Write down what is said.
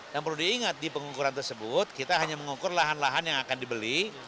dan perlu diingat di pengukuran tersebut kita hanya mengukur lahan lahan yang akan dibeli